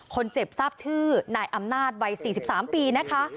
คนเจ็บทราบชื่อนายอำนาจวัย๔๓ปีนะคะ